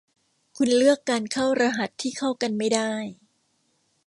คุณเลือกการเข้ารหัสที่เข้ากันไม่ได้